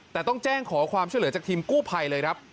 แต่ต้องแจ้งขอความช่วยเหลือจากทีมกู้ภัยเลยครับ